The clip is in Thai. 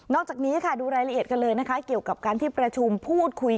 จากนี้ค่ะดูรายละเอียดกันเลยนะคะเกี่ยวกับการที่ประชุมพูดคุย